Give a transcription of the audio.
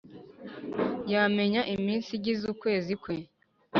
yamenya iminsi igize ukwezi kwe.